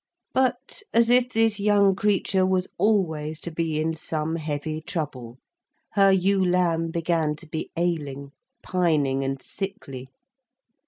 But, as if this young creature was always to be in some heavy trouble, her ewe lamb began to be ailing, pining and sickly.